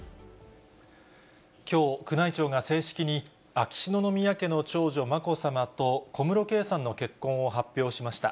きょう、宮内庁が正式に、秋篠宮家の長女、まこさまと、小室圭さんの結婚を発表しました。